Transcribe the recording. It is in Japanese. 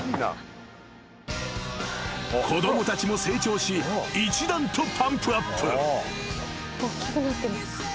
［子供たちも成長し一段とパンプアップ］